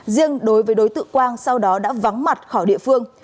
riêng đối với đối tượng quang sau đó đã vắng mặt khỏi địa phương